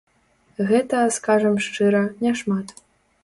Гэта, скажам шчыра, няшмат.